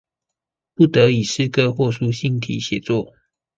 不得以詩歌或書信體寫作